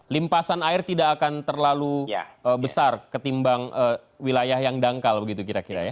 limpasan air tidak akan terlalu besar ketimbang wilayah yang dangkal begitu kira kira ya